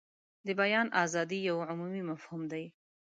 د بیان ازادي یو عمومي مفهوم دی.